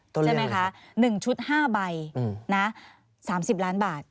ใช่ไหมคะ๑ชุด๕ใบนะ๓๐ล้านบาท